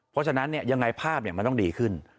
เพราะฉะนั้นยังไงภาพมันต้องดีขึ้น